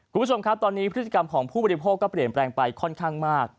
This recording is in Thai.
คุณผู้ชมครับตอนนี้พฤติกรรมของผู้บริโภคก็เปลี่ยนแปลงไปค่อนข้างมาก